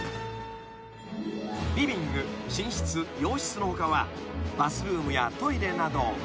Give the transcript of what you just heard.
［リビング寝室洋室の他はバスルームやトイレなど］